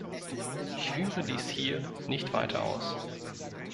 Ich führe dies hier nicht weiter aus.